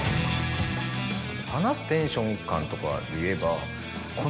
話すテンション感とかでいえば。